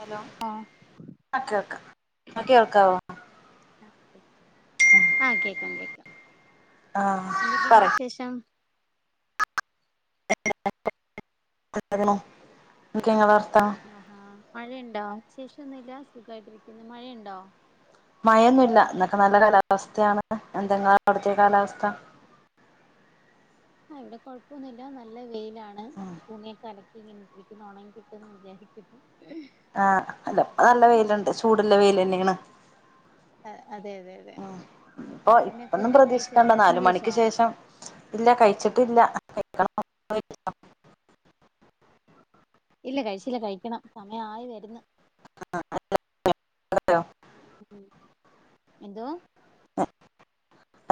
Hello ആഹ് കേൾക്കാം ങ്ങൾക്ക് കേൾക്കാവോ ആഹ് കേക്കാം കേക്കാം ആഹ് എന്തൊക്കെയുണ്ട് പറയ് വിശേഷം [unintelligible] എന്തൊക്കെ ഇങ്ങളെ വർത്താനം ആഹാ മഴയുണ്ടോ? വിശേഷന്നൂല്ല? സുഖമായിട്ടിരിക്കുന്നു മഴയുണ്ടോ? മയൊന്നുല്ല ഇന്നൊക്കെ നല്ല കാലാവസ്ഥയാണ് എന്തെല്ല അവിടുത്തെ കാലാവസ്ഥ? ആ ഇവിടെ കുഴപ്പൊന്നുല്ല നല്ല വെയിലാണ് ഉം തുണിയൊക്കെ അലക്കി ഇട്ടിരിക്കുന്നു ഉണങ്ങി കിട്ടുമെന്ന് വിചാരിക്കുന്നു. ആഹ് അല്ല ഇപ്പോ നല്ല ഉം വെയിലുണ്ട് ചൂടുള്ള വെയിൽ തന്നെ ആണ് അതെ അതെ അതെ ഉം ഇപ്പൊ പിന്നെ ഇപ്പൊന്നും ഫുഡൊക്കെ കഴിച്ചോ പ്രതീക്ഷിക്കണ്ട ഭക്ഷണം നാല് മണിക്ക് കഴിച്ചോ ശേഷം ഇല്ല കഴിച്ചിട്ടില്ല കഴിക്കണം ഇങ്ങൾ കഴിച്ചോ? ഇല്ല കഴിച്ചില്ല കഴിക്കണം സമയായി വരുന്ന് [unintelligible] ഉം എന്തുവാ?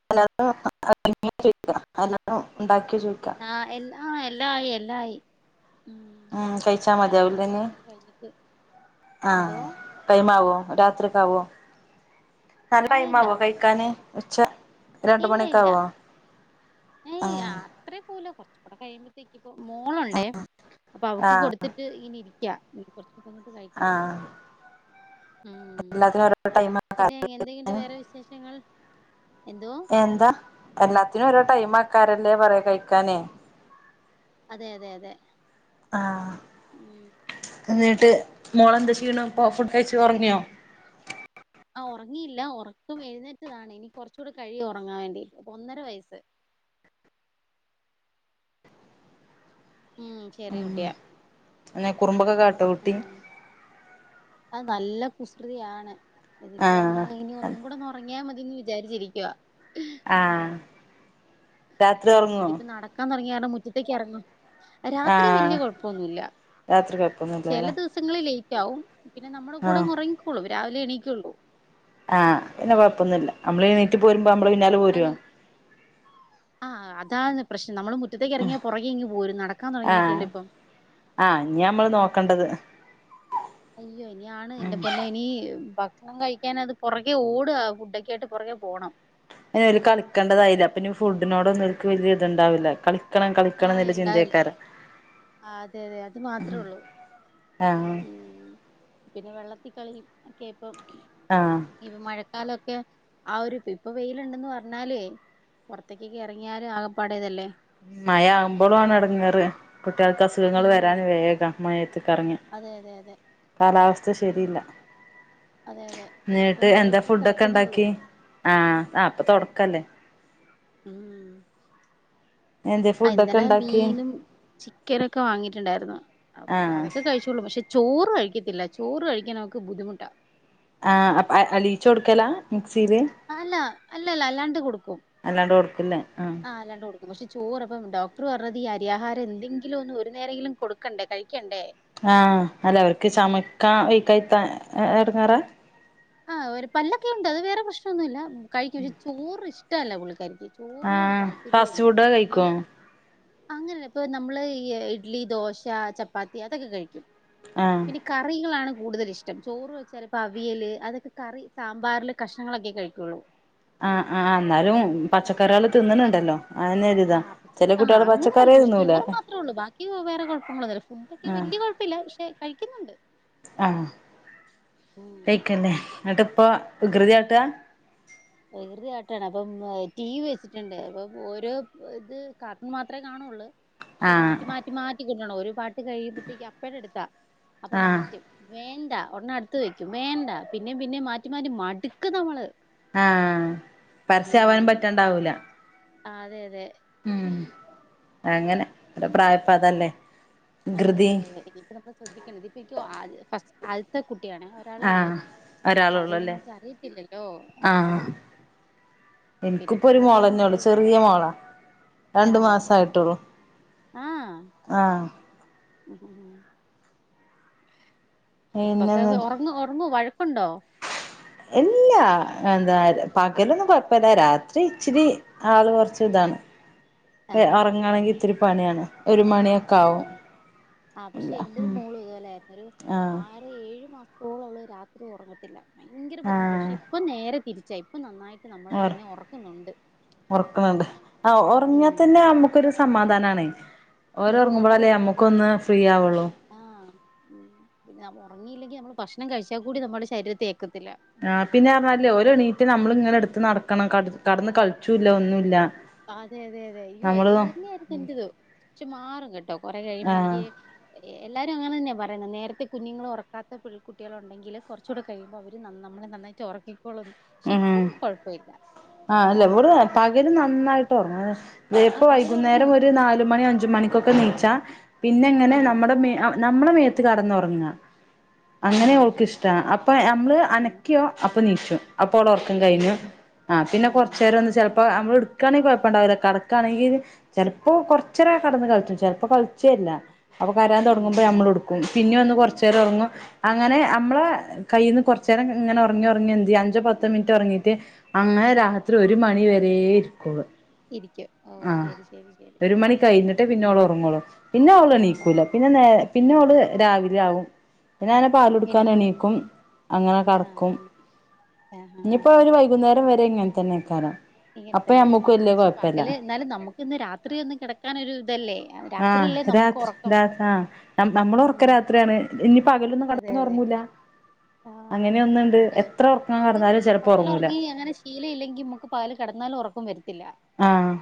[unintelligible] ഉണ്ടാക്കിയോ ചോദിക്കാ ആഹ് എല്ലാം ആയി എല്ലാം ആയി എല്ലാം ആയി. ഉം കഴിച്ചാൽ കഴിക്കണം മതിയാവുലെ ഇനി കൊറച്ചും കൂടി കഴിഞ്ഞിട്ട് എന്തോ ആഹ്. ടൈം ആവോ രാത്രി ഒക്കെ ആവോ നല്ല ടൈം ആയില്ല ആവോ കഴിക്കാന് ഉച്ച രണ്ടു മണി ഒക്കെ ആവോ? ഏയ്‌ ആഹ് അത്രേ പോവൂല കുറച്ചു കൂടെ കഴിയുമ്പത്തേക്കും പ്പോ മോളുണ്ടേ ആഹ് അപ്പൊ അവക്ക് ആഹ് കൊടുത്തിട്ട് ട്ട് ഇങ്ങനെ ഇരിക്ക ഇനി കുറച്ചു കഴിഞ്ഞിട്ട് കഴിക്കണം ആഹ് ഉം എല്ലാത്തിനും ഓരോ ടൈം പിന്നെ എന്തെക്കെണ്ട് വേറെ വിശേഷങ്ങൾ? എന്തോ എന്താ എല്ലാത്തിനും ഓരോ ടൈം ആക്കാരല്ലേ പറയാ കഴിക്കാനേ അതെ അതെ അതെ.. ആഹ് ഉം എന്നിട്ട് മോള് എന്ത് ചെയ്യണ ഇപ്പോ ഫുഡ് കഴിച്ചു ഉറങ്ങിയോ? ആ ഉറങ്ങിയില്ല ഉറക്ക എഴുന്നേറ്റതാണ് ഇനി കുറച്ച് കൂടി കഴിയും ഉറങ്ങാൻ വേണ്ടിട്ട് ഒന്നര വയസ്സ് ഉം ചെറിയ കുട്ടിയാ ങ്ങനെ കുറുമ്പൊക്കെ കാട്ടോ കുട്ടി? ഉം അത് നല്ല കുസൃതിയാണ് ഇതിപ്പോ ആഹ് ഒന്ന് ഇനി ഒന്നും കൂടെ ഒന്ന് ഉറങ്ങിയാ മതിന്ന് വിചാരിച്ചിരിക്കുവാ ആഹ് രാത്രി ഉറങ്ങോ? ഇതിപ്പോ നടക്കാൻ തുടങ്ങിയ കാരണം മുറ്റത്തേക്ക് ഇറങ്ങും രാത്രി ആഹ് വലിയ കുഴപ്പൊന്നുല്ല രാത്രി ചില കൊഴപ്പൊന്നുല്ലല്ലേ ദിവസം ദിവസങ്ങളിൽ ലേറ്റ് ആകും പിന്നെ നമ്മുടെ കൂടെ ആഹ് അങ്ങ് ഉറങ്ങിക്കോളും രാവിലെ എണീക്കുള്ളൂ ആഹ് പിന്നെ കുഴപ്പൊന്നുല്ല നമ്മള് എണീറ്റ് പോരുമ്പോ നമ്മളെ പിന്നാലെ പോരുവോ? അങ്ങനെ ആഹ് അതാണ് പ്രശ്നം നമ്മൾ മുറ്റത്തേക്ക് ഇറങ്ങിയാ പുറകെ ഇങ്ങ് പോരും നടക്കാൻ ആഹ് തുടങ്ങിയിട്ടുണ്ട് ഇപ്പം ആഹ് ഇനിയാ നമ്മള് നോക്കണ്ടത് അയ്യോ ഇനിയാണ് എന്റെ പൊന്നെ ഇനി ഭക്ഷണം കഴിക്കാൻ അത് പുറകെ ഓടാ ഫുഡൊക്കെ ആയിട്ട് പുറകെ പോണം ഇനി ഒരു കളിക്കണ്ടതായിലേ അപ്പൊ ഇനി ഫുഡിനോടൊന്നും ഓല്ക്ക് വല്യത്ണ്ടാവില്ല കളി - ക്കണം കളിക്കണം ആഹ് എന്നല്ല ഉണ്ടാവില്ല ചിന്തയ്ക്കാരം ആ, അതെ അതെ അത് മാത്രേ ഉള്ളൂ ആ ഉം പിന്നെ വെള്ളത്തി ക്കളി ഒക്കെയാ ഇപ്പം ആഹ് ഇപ്പ മഴക്കാലൊക്കെ ആ ഒരുപ്പ ഇപ്പൊ വെയിലുണ്ടന്ന് പറഞ്ഞാലേയ് പുറത്തേക്കൊക്കെ ഇറങ്ങിയാല് ആകപ്പാടതല്ലേ മയ ആകുമ്പോളും ആണ് ഇടങ്ങേറ് കുട്ടിയേൾക്ക് അസുഖങ്ങൾ ഉം വരാൻ വേഗ മഴത്തേക്ക് ഇറങ്ങിയ അതെ അതെ അതെ കാലാവസ്ഥ ഉം. ശരില്ല അതെ അതെ ഇനിയിപ്പോ ന്നിട്ട് എന്താ മഴയൊക്കെ ഫുഡൊക്കെ കെടക്കുന്നൊള്ളൂ ണ്ടാക്കി? ആഹ് ഇപ്പൊ തോടക്കല്ലേ? ഉം എന്തേ ആഹ് ഫുഡൊക്കെ ഇന്നലെ ഇണ്ടാക്കി മീനും ചിക്കനൊക്കെ വാങ്ങിയിട്ടുണ്ടായിരുന്നു അപ്പൊ ആഹ് അതൊക്കെ കഴിച്ചു ചോളൂ പക്ഷെ ചോറ് കഴിക്കത്തില്ല ചോറ് കഴിക്കാൻ അവക്ക് ബുദ്ധിമുട്ടാ ആഹ് അലിയിച്ച് കൊടുക്കലാ മിക്സിയില്? അല്ല അല്ല അല്ലാണ്ട് കൊടുക്കും അല്ലാണ്ട് കൊടുക്കില്ല ആഹ് ആ അല്ലാണ്ട് കൊടുക്കും പക്ഷേ ചോറ് അപ്പം ഡോക്ടർ പറഞ്ഞത് ഈ അരിയാഹാരം എന്തെങ്കിലും ഒന്ന് ഒരു നേരങ്കിലും കൊടുക്കണ്ടേ കഴിക്കണ്ടേ? ആഹ് അല്ല അവർക്ക് ഉം. ചമക്കാ വെയ് ക്കാത്ത ഇടങ്ങേറ? ആഹ് ഒരു പല്ലൊക്കെ ഉണ്ട് അത് വേറെ പ്രശ്നൊന്നുല്ല കഴിക്കും പക്ഷെ ചോറ് ഇഷ്ടല്ല പുള്ളിക്കാരിക്ക് ചോറിനോട് ആഹ് ഫാസ്റ്റ് താല്പര്യേല്ല ഫുഡ് ഇപ്പം കഴിക്കോ അങ്ങനെല്ലപ്പൊ നമ്മള് ഈ ഇഡ്ലി ദോശ ചപ്പാത്തി അതൊക്കെ കഴിക്കും ആഹ് പിന്നെ കറികളാണ് കൂടുതല് ഇഷ്ടം ചോറ് വെച്ചാല് ഇപ്പോ അവിയല് അതൊക്കെ കറി സാമ്പാറിലെ കഷ്ണങ്ങളൊക്കെ കഴിക്കുള്ളൂ ആഹ് ആ എന്നാലും പച്ചക്കറികള് അങ്ങ് തിന്ന്ണുണ്ടല്ലോ അതെന്നെ ആ ഒരിതാ ചെലെ കു- ആ അങ്ങനെ ആയിരിക്ക പക്ഷെ ചോറ് മാത്രേള്ളൂ ബാക്കി വേറെ കുഴപ്പങ്ങളൊന്നല്ലേ ഫുഡൊക്കെ ആഹ് വല്യേ കുഴപ്പം പ്പില്ല ക്ഷെ കഴിക്കുന്നുണ്ട് ആഹ് പെയ്ക്കന്നേ ന്നിട്ടിപ്പ വികൃതിയാട്ടാ? വികൃതികാട്ടാണ് അപ്പം ടി വി വെച്ചിട്ടുണ്ട് അപ്പം ഓരോ ഇത് കാർടൂൺ മാത്രെ കാണുള്ളൂ പക്ഷെ ആഹ് മാറ്റി മാറ്റി മാറ്റി കിട്ടണം ഒരു പാട്ട് കഴിയുമ്പഴത്തേക്ക് അപ്പെ എടുത്താ അപ്പൊ ആഹ് മാറ്റും വേണ്ട ഒടനെ അടുത്ത് വയ്ക്കും വേണ്ട പിന്നേം പിന്നേം മാറ്റി മാറ്റി മടുക്ക് നമ്മള് ആഹ് പരസ്യവാനും പറ്റണ്ടാവൂല ആഹ് അതെ അതെ ഉം അങ്ങനെ ഒരു പ്രായപ്പഅതല്ലേ വികൃതി ഒരു ബിസിനസ് ശ്രദ്ധിക്കേണ്ടത് ഇപ്പ ഇനിക്ക് ഫസ്റ്റ് ആദ്യത്തെ കുട്ടിയാണ് ഒരാളെ ഉള്ളൂ ആഹ് അപ്പൊ ഒരാളൊള്ളൂ അതുകൊണ്ട് അല്ലേ നമുക്ക് അറിയത്തില്ലല്ലോ ആ ആഹ് പിന്നെ എനിക്കിപ്പൊ ഒരു പുറകെ അങ്ങ് മോളെന്നെ പോ ഉള്ളൂ ചെറിയ മോളാ രണ്ടു മാസ ആയിട്ടുള്ളു ആഹ് ആഹ് ഹ് ഹ് ഹും ഇപ്പൊക്ക പിന്നെന്നിട്ട് ഉറങ്ങോ ഉറങ്ങോ വഴക്കുണ്ടോ? ഇല്ലാ എന്താ പകലൊന്നും കൊഴപ്പല്ല രാത്രി ഇച്ചിരി ആള് കുറച്ച് ഇതാണ് ആ ആ ഉറങ്ങണെങ്കി ഇത്തിരി പണിയാണ് ഒരു മണിയൊക്കെ ആവും ആഹ് ആ പക്ഷെ ഇല്ല എൻറത് ഉം മോളും ഇതുപോലെ ആയിരുന്നു ഒരു ആഹ് ആ ഏഴ് മാസത്തോളം ള്ള രാത്രി ഉറങ്ങത്തില്ല ഭയങ്കര ബുദ്ധിമുട്ട് ആഹ് പക്ഷെ ഇപ്പം നേരെ തിരിച്ചായി പ്പോ നന്നായിട് ഉർ ഉറക്കുണുണ്ട് ആ ഉറങ്ങാ ഉം തന്നെ നമ്മക്ക് ക്കൊരു സമാധാനാണേ ഓരോ അയ്യോ ഉറങ്ങുമ്പോഴല്ലേ നമ്മുക്ക ഒന്ന് ഫ്രീ ആവുള്ളൂ ആഹ ഉ പിന്നെ ഉറങ്ങിയില്ലെങ്കി നമ്മൾ ഭക്ഷണം കഴിച്ചാ കൂടി നമ്മുടെ ശരീരത്തേ ഏക്കത്തില്ല. ആ പിന്നെ അർഞ്ഞാല് ഓൽ എണീറ്റ് നമ്മളും ഇങ്ങനെ എടുത്ത് നടക്കണം കട് കെട്ന്ന് കളിച്ചൂല്ല ഒന്നുല്ല. അതെ അതെ അതെ അയ്യോ നമ്മള് ഇതുപോലെന്നെയായിരുന്നു എന്റതും ക്ഷേ മാറും കേട്ടോ കൊറെ കഴിയുമ്പോ എനിക്ക്. ആഹ് എല്ലാരും അങ്ങനെ ന്നെയാ പറയുന്നത് നേരത്തെ കുഞ്ഞുങ്ങൾ ഉറക്കാത്ത പെ കുട്ടികളുണ്ടെങ്കിൽ കുറച്ചുകൂടെ കഴിയുമ്പോ അവർ നമ്മെ നന്നായിട്ട്. ച്ചെ ഒർക്കിക്കൊളന്ന്. ഉം ഉ ആഹ് അല്ലെ ഇവൾ ഉം പക് ഇവര് നന്നായിട്ട് ഒർങ്ങു തേപ്പ ആ പകല് വൈകുന്നേരം ഉറങ്ങും ഒരു നാലുമണി അഞ്ച് മണിക്കൊക്കെനീച്ചാ. പിന്നെങ്ങനെ ആഹ് നമ്മുടെ മേ നമ്മുടെ മേത്ത് കെടന്നൊർങ്ങാ. അങ്ങനെയ ആഹ് അവൾക്ക് ഇഷ്ടാ അപ്പൊ നമ്മള് ഉം അനക്കിയോ അപ്പൊ നീച്ചും. അപ്പോളെ ഒർക്കം കഴിഞ്ഞു എണീക്കും ആ പിന്നെ ഉം കൊർച്ചേരൊന്ന് ചെൽ ഇപ്പ അമ്മള് ഇടുക്കാണെങ്കിൽ കൊഴപ്പണ്ടാവുല കെടക്കാണെങ്കി. ചെൽപ്പോ കൊറച്ചേരെ കെടന്ന് കളിച്ചു ചെൽപ്പോ കളിച്ചേല്ല. അപ്പൊ കര്യാൻ ഉം തൊടങ്ങുമ്പോ ഉം നമ്മൾ ഇട്ക്കും പിന്നെ ഒന്ന് കൊർച്ചേര ഒർങ്ങും. എടുക്കും അങ്ങനെ നമ്മളെ ഹ് കയ്യിന്ന് കൊർച്ചേരം ഇങ്ങനെ ഒങ്ങി ഒർങ്ങി എന്തിയ അഞ്ച് ഒര് പത്ത് മിനിറ്റ് ഒറങ്ങീട്ട് അങ്ങനെ രാത്രി ഒരു മണി വരെ ഇരിക്കോള്. ഇരിക്കും ഓ ആഹ് ശരി ശരി ശരി ഒരു മണി ഉം കഴിഞ്ഞിട്ട് പിന്നെ ഉം അവള് ഒറങ്ങുളൂ പിന്നെ ആഹ് അവളെണീക്കൂല പിന്നെ നേ പിന്നെ ഉം ഓള് രാവിലെ ആവും പിന്നെ അങ്ങനെ പാലുടുക്കാൻ എണീക്കാൻ എണീക്കും അങ്ങനെ ആഹ് കെടക്കും. അങ്ങനെ ആഹ് ആഹ് ഇഞ്ഞ്പ്പോ ആഹ് ഒര് വൈകുന്നേരം വരെ ഇങ്ങൻ തന്നെക്കാരം. ഇങ്ങൻ അപ്പൊ തന്നെ ഞമ്മക്ക് ആഹ് വല്യ പക്ഷെ കൊഴപ്പല്ല പകല് എന്നാലും നമുക്കിന്ന് രാത്രി ഒന്ന് കെടക്കാനൊരു ഇതല്ലേ. രാത്രിയല്ലേ ആഹ നമുക്ക് രാത്ര ഉറക്കം രാ ആഹ് നമ്മളെ ഉം ഒർക്കം രാത്രിയാണ് ഇനി പകലൊന്നും അതെ കെടന്ന് അതെ ഒറങ്ങുല ആഹ് അങ്ങനെയൊന്നുണ്ട് എത്ര ഒർങ്ങാ കെടന്നാലും ചെലപ്പോ ഒറങ്ങൂല ശീല ഇല്ലെങ്കി നമുക്ക് പകല് കെടന്നാലും ഒറക്കം വരത്തില്ല ആഹ്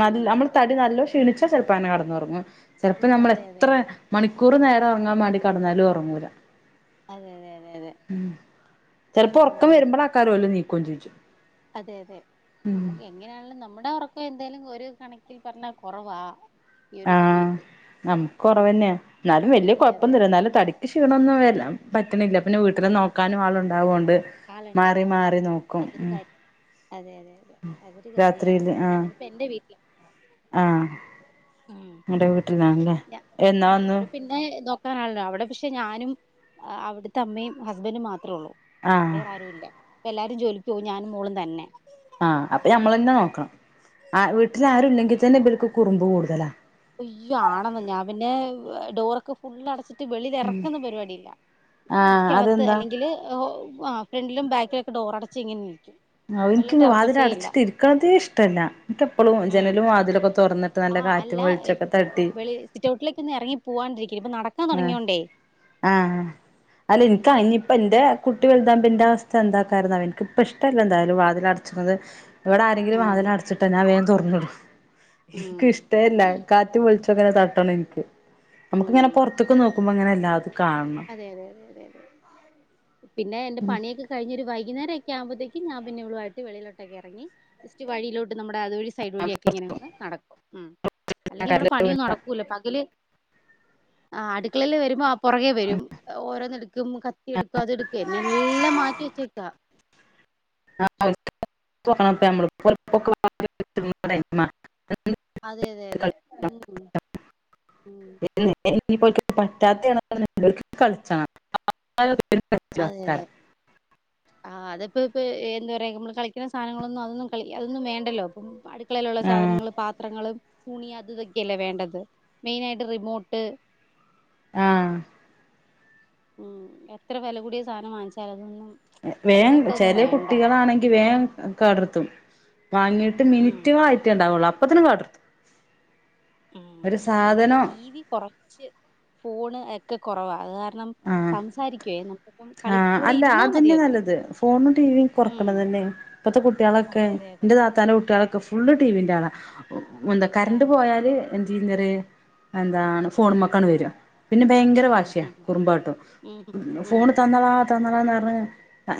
നല്ല നമ്മള് തടി നല്ല ക്ഷീണിച്ചാ ചെൽപ്പോ അങ്ങനെ കെടന്നൊറങ്ങും ചെൽപ്പോ അയ്യോ നമ്മൾ അതെ അതെ എത്ര അതെ മണിക്കൂർ നേരം ഒറങ്ങാൻ വേണ്ടി കെടന്നാലും ഒറങ്ങൂല അതെ അതെ അതെ അതെ ചെൽപ്പോ ഒറക്കം ഉം വരുമ്പളേക്കാരോൽ നീക്കും ചെയ്യും അതെ അതെ നമുക്ക് എങ്ങനെയാണിലും നമ്മുടെ ഒറക്കം എന്തായാലും ഒരു കണക്കിൽ പർഞ്ഞാ കൊറവാ ആഹ് നമുക്ക് ഉം കൊറവന്നെയ എന്നാലും വല്യ അതെ കൊഴപ്പൊന്നില്ല അതെ എന്നാലും തടിക്ക് ക്ക് ക്ഷീണൊന്നും വരാ പറ്റണില്ല പിന്നെ വീട്ടില് നോ നോക്കാനും ആളുണ്ടാവോണ്ട് ആളുണ്ട് മാറി ആഹ് ആഹ് മാറി ആഹ് നോക്കും അതൊരു ഉം കാര്യം അതെ അതെ അതെ അതൊരു കാര്യാണ് രാത്രിയില് ആഹ് ഞാനിപ്പോ എൻറെ വീട്ടില ആഹ് നിന്റെ വീട്ടിലാണ്ല്ലേ എന്നാ വന്നു എന്നെ നോക്കാനാണല്ലോ അവിടെ പക്ഷെ ഞാനും അവിടുത്തെ അമ്മയും ഹസ്ബന്റും മാത്രമേ ഉള്ളു. ആഹ് വേറെ ആരും ഇല്ല ഇപ്പ എല്ലാരും ജോലിക്ക് പോവും ഞാനും മോളും തന്നെ ആഹ് അപ്പൊ ഞമ്മളെന്നെ നോക്കണം ആ വീട്ടിൽ ആരുല്ലെങ്കി തന്നെ ഇവർക്ക് കുറുമ്പ് കൂടുതലാ അയ്യോ ആണെന്ന് ഞാൻ പിന്നെ ഹ് ഡോറൊക്കെ ഫുള് അടച്ചിട്ട് ട്ട് വെളിൽ എറക്കുന്ന പരിപാടിയില്ല ആഹ് മുറിക്കകത്ത് അതെന്താ അല്ലെങ്കിൽ ഓ ആഹ് ഫ്രണ്ടിലും ബാക്കിലുംക്കെ ഡോറടച്ച് ഇങ്ങനെ നിക്കും ഔ ഇൻക്ക് വാതില അടച്ചിട്ടി ഇരിക്കണതേ ഇഷ്ട്ടല്ല ഇൻക്കിപ്പളും ജനലും വാതിലൊക്കെ തൊറന്നിട്ട് നല്ല കാ ല്ല എ അ തട്ടി സിറ്റൗട്ടിലേക്ക് ഒന്ന് എറങ്ങി പോവാണ്ടിരിക്ക ഇപ്പൊ നടക്കാ ആഹ് തൊടങ്ങിയോണ്ടേ ആഹ് അല്ല ഇൻക്കയി ഇനിയിപ്പ എന്റെ കുട്ടി വലുതാവുമ്പെന്റെ അവസ്ഥ എന്താക്കാരെന്ന എനിക്കിപ്പ ഇഷ്ട്ടല്ല എന്താലും വാതിലട ച്ചത് ഇവിടെ ആരെങ്കിലും ഉം വാതിലട്ച്ചിട്ട ഞാൻ വേം തൊർന്ന്ടും ഉം എനിക്കിഷ്ടെ അല്ല കാറ്റു വെളിച്ചുങ്ങനെ തട്ടണം എനിക്ക് ഉം നമുക്കിങ്ങനെ പൊറത്ത്ക്ക് നോ ക്കുമ്പോ ഇങ്ങനെല്ലാതും കാണണം അതെ അതെ അതെ അതെ പിന്നെ എന്റെ പണിയൊക്കെ കഴിഞ്ഞ് ഒരു വൈകുന്നേരക്കെ ആവുമ്പഴത്തേക്ക് ഞാൻ പിന്നെ ഇവളു ആയിട്ട് വെളിയിലോട്ടക്ക എറങ്ങി ജസ്റ്റ് വഴിയിലോ നമ്മട അതുവഴി സൈഡ് വഴിയൊക്കെ ഇങ്ങനെ നടക്കും അല്ലെങ്കി മ്മട പണി നടക്കൂല്ല പകല് ആ അടുക്കളയില് വരുമ്പോ ആ പുറകെ വരും ഓരോന്നെടുക്കും കത്തിയെടുക്കും അതെടുക്കും എന്നന്നെല്ലാം മാറ്റി വെച്ചേക്ക ആ [unintelligible] അതെ അതെ അതെ ഉം ഉം [unintelligible] പറ്റാത്ത [unintelligible] അതെതെ ആഹ് അതിപ്പപ്പോ എന്താ പറയാ നമ്മള് കളിക്കണ സാധനങ്ങളൊന്നും അതൊന്നും കളി അതൊന്നും വേണ്ടല്ലോ അപ്പം അട് ക്കളയിലുള്ള ആഹ് സാധനങ്ങള് പാത്രങ്ങളും തുണി അത് ഇതൊക്കെയല്ലേ വേണ്ടത് മെയിനായിട്ട് റിമോട്ട് ആഹ ഉം എത്ര വില കൂടിയ സാധനം വാങ്ങിച്ചാലും അതൊന്നും വേ പിള്ളേർക്കൊന്നും ചില വേണ്ട കുട്ടികളാണെങ്കിൽ വേം കടർത്തും വാങ്ങിട്ട് ഉം മിനിറ്റ് ആയിട്ട ഉണ്ടാവുള്ളൂ അപ്പത്തന അടർത്തും ഉം അവനിവിടെ ടിവി കുറച്ച് ഫോണ് ഒക്കെ കുറവാ അത് കാരണം സംസാരിക്കുയേ നമ്മുക്കിപ്പം ആഹ അല്ല അത് തന്നെ നല്ലത് ഫോണും ടിവിം കൊറക്കണ ഉം തന്നെ ഇപ്പത്തെ കുട്ടികളൊക്കെ അതെ അതെ അതെ താത്താൻ്റെ കുട്ടികളൊക്കെ ഫുള്ള് ടിവിന്റാളാ എന്താ കറണ്ട് ആഹ് പോയാല് എന്ത് ഇന്നര് എന്താണ് ഫോൺ മക്കാണ് വര്ക പിന്നെ ഭയങ്കര ഉം വാശിയ കുറുമ്പാട്ടും ഉം ഉം ഫോണ് തന്നളാ തന്നളാന്ന് പറഞ്ഞ്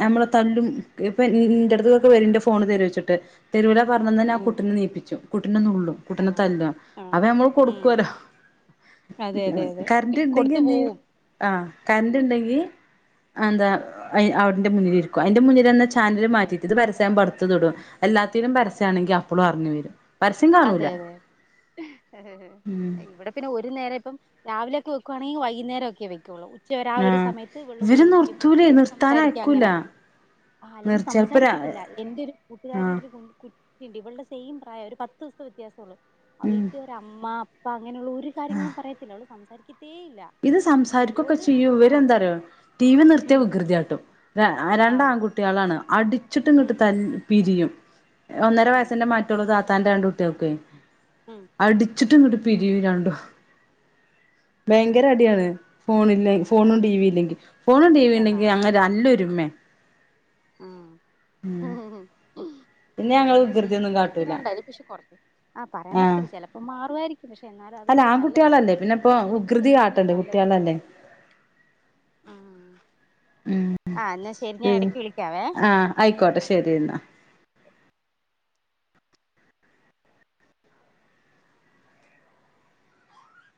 ഞമ്മളെ തല്ലും, ഇപ്പൊ ന്റെട്ത്ത്ക്കൊക്കെ വരും ന്റെ ഫോണ് തരൊച്ചിട്ട് തെരൂല പർഞ്ഞന്നെന് ആ ഉം കുട്ടിനെ നീപ്പിച്ചു കുട്ടിനെ നുള്ളും കുട്ടിന ആഹ് തല്ലും അവ ആഹ് ഞമ്മൾ ഉം കൊടുക്കുവലൊ അതെ അതെ അതെ കര്ന്റ്ണ്ടെങ്കി കൊടുത്തു എന്ത്യ്യും, പോവും ആഹ് കർന്റ്ണ്ടെങ്കി അ എന്താ അയ് അതിൻ്റെ മുന്നിലിരിക്കും അയ്ൻ്റെ മുന്നിൽ ന്ന ച്ചാനല് മാറ്റിട്ട് രു പരസ്യാവുമ്പടുത്തത് ടു എല്ലാത്തിനും പരസ്യാണെങ്കിൽ അപ്പളും അർഞ്ഞു വരും പരസ്യം കാണൂല അതെ അതെ ഉം ഇവിടെ പിന്നെ ഒരു നേര ഇപ്പം രാവിലെയൊക്കെ വെക്കുവാണെങ്കിൽ പിന്നെ വൈകുന്നേരം ഒക്കെ വെക്കൊള്ളൂ ഉച്ച വരെ ആ ഒരു ആഹ് സമയത്ത് ഇവള്ടെ ഇവര് കൂടെയിരിക്കും, നിർത്തൂലേ പിന്നെ സംസാരിക്കും, നിർത്താനയക്കൂല അങ്ങനെ ആഹ് നിർ അല്ലെങ്കിൽ ചെൽപ്പോ രാ സംസാരിക്കത്തില്ല. എന്റെ ഒരു കൂട്ടുകാരിയുടെ ആഹ് ഒരു കു ട്ടിണ്ട്. ഇവൾടെ സെയിം പ്രായം. ഒരു പത്ത് ദിവസ്ത്തെ വ്യത്യാസം ഉള്ളു. ഉം അവളിതുവരെ അമ്മ പ്പ അങ്ങനെയുള്ള ഒരു കാര്യങ്ങളും പറയത്തില്ല. അവള് സംസാരിക്കത്തേ ഇല്ല ഇത് ഇപ്പൊ ഇവളോട് സംസാരിക്കുകൊക്കെചെയ്യും ആഹ് ഇവരെന്താ അറിയോ, ടി വി നിർത്തിയ ഉം വികൃതിയാട്ടും. ര ആഹ് രണ്ടാൺകുട് ട്യാളാണ്. അടിച്ചിട്ട് ങ്ങട്ട് ഉം തൽ പിരിയും. ഒന്നര ഉം വയസിന്റെ മാറ്റ് റ്റൊള്ളു താത്താൻന്റെ രണ്ട് കുട്ട്യാൾക്കെയ് ഉം അടിച്ചിട്ട്ങ്ങട്ട് പിരിയും രണ്ടു, ഉം ഭയങ്കര അടിയാണ് ഫോണിന്നേയ് ഫോണും ആഹ് ടി വി ഇല്ലെങ്കി, ഫോണും ടിവി ആഹ് ണ്ടെങ്കിൽ ആഹ് ഞങ്ങള് നല്ലൊരുമേ ആഹ് പിന്നെ ഞങ്ങൾ അതങ്ങനെ വികൃതിയൊന്നും കാട്ടൂല ശീലിപ്പിച്ചിരിക്കുന്നണ്ടാ യിരിക്കും, പക്ഷെ കുറച്ച് ആ പറയാൻ ആഹ് പറ്റത്തില്ല ചെലപ്പം മാറുവായിരിക്കും പക്ഷെ, എന്നാലും അല്ല അതല്ലേ നല്ലത്, ആൺകുട്ടികളല്ലേ പിന്നെ ഇപ്പഴേ ഇപ്പോ ഒക്കെ വികൃതി ശീലിപ്പിക്കാതിരിക്കുന്നയ കാട്ടണ്ടേ നല്ലത് കുട്ടികളല്ലേ ആഹ് ഉം എന്നാ ശരി ഞാൻ പിൻ ഇടക്ക് വിളിക്കാവേ ആഹ് ഐക്കോട്ടെ ഓക്കെ ശരി എന്നാ